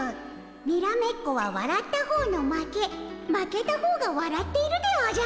にらめっこはわらった方の負け負けた方がわらっているでおじゃる。